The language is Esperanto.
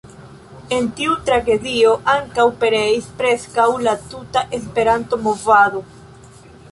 En tiu tragedio ankaŭ pereis preskaŭ la tuta Esperanto-movado.